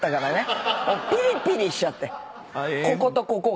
こことここが。